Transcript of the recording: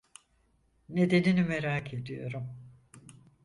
Nedenini merak ediyorum.